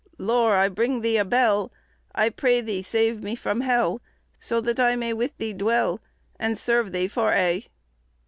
Lor, I bringe thee a bell; I praie Thee save me from hell, So that I may with Thee dwell, And serve thee for aye."